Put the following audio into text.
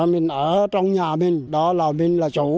mình ở trong nhà mình đó là mình là chủ